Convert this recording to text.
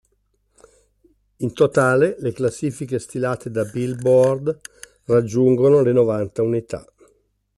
In totale le classifiche stilate da "Billboard" raggiungono le novanta unità.